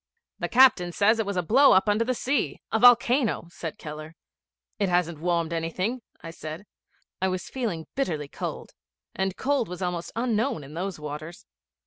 'The captain says it was a blow up under the sea a volcano,' said Keller. 'It hasn't warmed anything,' I said. I was feeling bitterly cold, and cold was almost unknown in those waters.